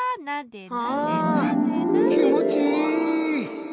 はぁきもちいい。